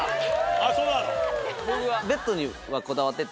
あっそうなの？